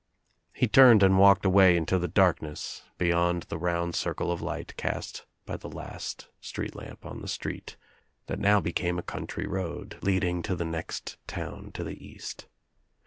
He turned and walked away into the darkness be yond the round circle of light cast by the last street lamp on the street that now became a country road leading to the next town to the east.